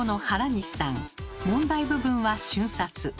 問題部分は瞬殺。